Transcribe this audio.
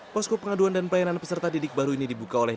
posko pengaduan dan pelayanan peserta didik baru ini dibuka oleh